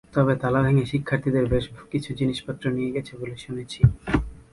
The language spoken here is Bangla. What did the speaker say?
তবে তালা ভেঙে শিক্ষার্থীদের বেশ কিছু জিনিসপত্র নিয়ে গেছে বলে শুনেছি।